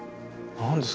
何ですかね。